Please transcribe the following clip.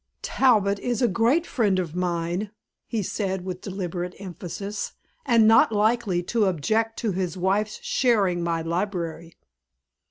"Talbot is a great friend of mine," he said with deliberate emphasis, "and not likely to object to his wife's sharing my library."